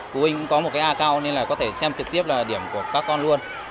phụ huynh cũng có một cái a cao nên là có thể xem trực tiếp là điểm của các con luôn